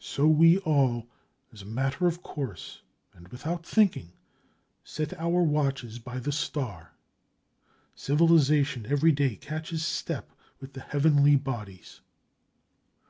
So we all, as a matter of course and without thinking, set our watches by the star. Civilization every day catches step with the heavenly bodies.